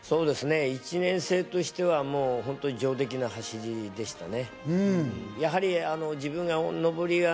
１年生としては、もう本当に上出来な走りでしたね。